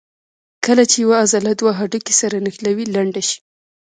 کله چې یوه عضله دوه هډوکي سره نښلوي لنډه شي.